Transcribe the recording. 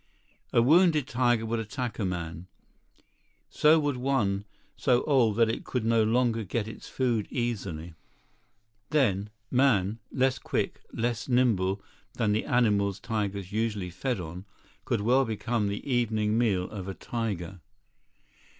A wounded tiger would attack a man. So would one so old that it could no longer get its food easily. Then, man, less quick, less nimble than the animals tigers usually fed on, could well become the evening meal of a tiger.